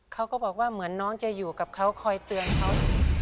เขาก็บอกว่าเหมือนน้องจะอยู่กับเขาคอยเตือนเขา